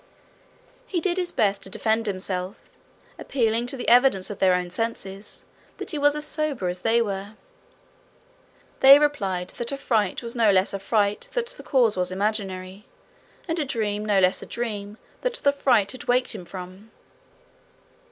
He did his best to defend himself, appealing to the evidence of their own senses that he was as sober as they were. They replied that a fright was no less a fright that the cause was imaginary, and a dream no less a dream that the fright had waked him from it.